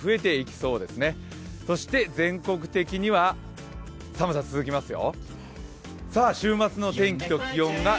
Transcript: そして全国的には寒さ続きますよ。